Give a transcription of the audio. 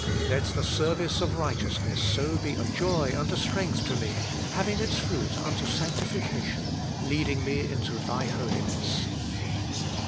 Let the service of righteousness so be a joy and a strength to me, having its fruit unto sanctification, leading me into Thy Holiness.